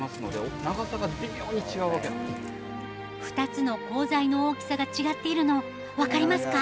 ２つの鋼材の大きさが違っているの分かりますか？